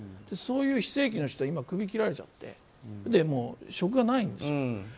そういう非正規の人はクビ切られちゃって職がないんです。